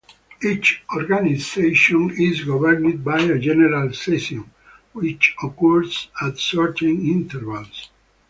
Each organization is governed by a general "session" which occurs at certain intervals.